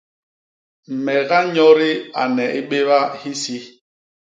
Me ganyodi ane i béba hisi.